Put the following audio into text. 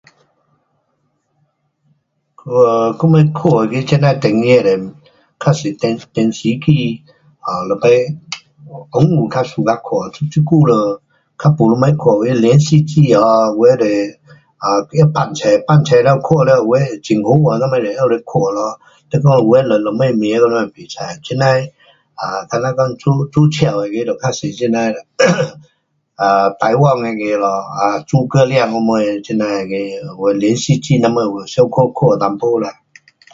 [um]我们看那个这呐电影是，较多电，电视机，了下尾温故较suka 看，这久都较没什么看，有的连续剧有的就不可放出，放出了看了有的很好看，什么就拿来看了。有的就什么名咱也不知。这样的，好像讲做笑那个就较多这样的[um]台湾那个咯，[um]朱葛亮什么这样那个连续剧什么有有时看看一点啦。